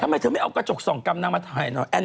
ทำไมเธอไม่เอากระจกส่องกำนางมาถ่ายหน่อย